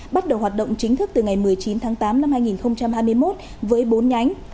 bắt đầu hoạt động chính thức từ ngày một mươi chín tháng tám năm hai nghìn hai mươi một với bốn nhánh